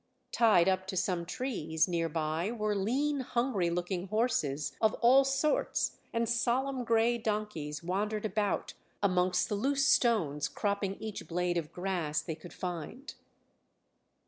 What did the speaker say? Tied up to some trees near by were lean, hungry looking horses of all sorts, and solemn grey donkeys wandered about amongst the loose stones cropping each blade of grass they could find.